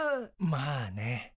まあね。